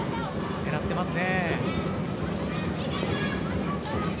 狙っていますね。